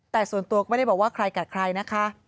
แต่ส่วนตัวก็ไม่ได้บอกว่าใครกัดใครนะคะ